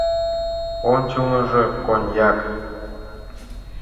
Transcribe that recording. Ончылныжо — коньяк.